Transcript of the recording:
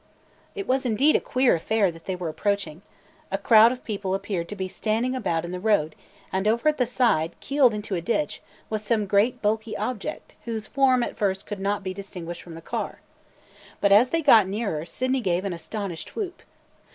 It was indeed a queer affair that they were approaching. A crowd of people appeared to be standing about in the road; and over at the side keeled into a ditch, was some great, bulky object whose form at first could not ibe distinguished from the car. But as tliey got nearer, Sydney gave an astonished whoop.